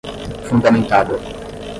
fundamentada